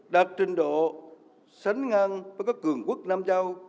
đạt trình độ sánh ngang với các cường quốc nam châu